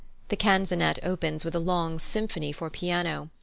The canzonet opens with a long symphony for piano.